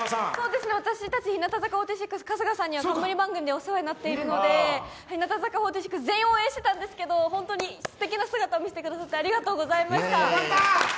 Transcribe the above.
私たち日向坂４６、春日さんには冠番組でお世話になっていますので日向坂４６全員応援してたんですけど本当にすてきな姿を見せてくださってありがとうございました。